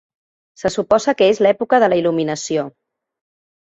Se suposa que és l'època de la il·luminació.